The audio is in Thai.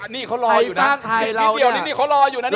นี่เค้าลอยอยู่นะรินทีเดียวนี่เค้าลอยอยู่นะเนี่ย